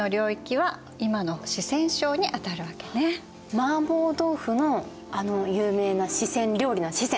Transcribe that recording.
マーボー豆腐のあの有名な四川料理の四川！？